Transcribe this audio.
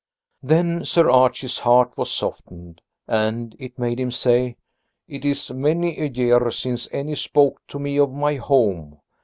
'" Then Sir Archie's heart was softened, and it made him say: "It is many a year since any spoke to me of my home.